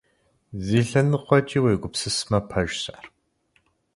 Зы лъэныкъуэкӀи, уегупсысмэ, пэжщ ар.